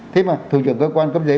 thế mà thủ trưởng cơ quan cấp giấy